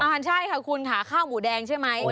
ใช่ค่ะคุณค่ะข้าวหมูแดงใช่ไหม